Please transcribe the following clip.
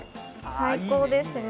最高ですね。